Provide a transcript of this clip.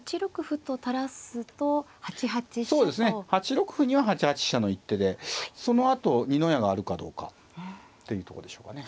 ８六歩には８八飛車の一手でそのあと二の矢があるかどうかっていうとこでしょうかね。